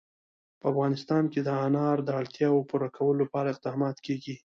په افغانستان کې د انار د اړتیاوو پوره کولو لپاره اقدامات کېږي.